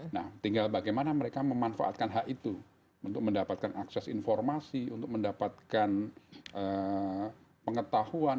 nah tinggal bagaimana mereka memanfaatkan hak itu untuk mendapatkan akses informasi untuk mendapatkan pengetahuan